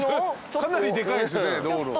かなりでかいですよね道路。